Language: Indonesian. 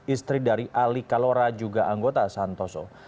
istri dari ali kalora juga anggota santoso